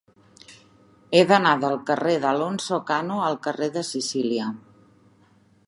He d'anar del carrer d'Alonso Cano al carrer de Sicília.